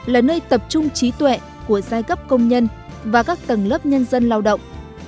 là nơi tập trung trí tuệ của giai cấp công nhân và các tầng lớp nhân dân lao động